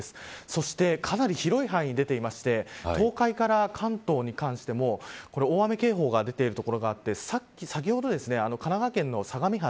そしてかなり広い範囲で出ていまして東海から関東に関しても大雨警報が出ている所があって先ほど、神奈川県の相模原